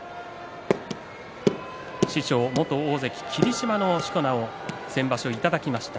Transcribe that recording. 師匠、元大関霧島のしこ名を先場所いただきました。